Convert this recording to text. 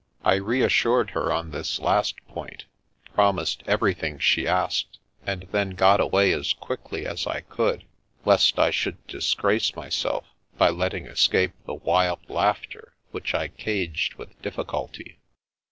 I reassured her on this last point, promised every thing she asked, and then got away as quickly as I could, lest I should disgrace myself by letting escape the wild laughter which I caged with difficulty.